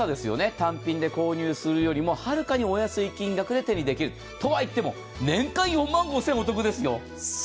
単品で購入するよりもはるかにお安い金額で手にできる。とは言っても年間４万４０００円もお得ですよ。